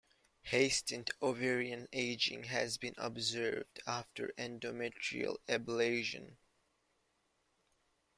Hastened ovarian aging has been observed after endometrial ablation.